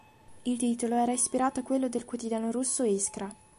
Il titolo era ispirato a quello del quotidiano russo "Iskra".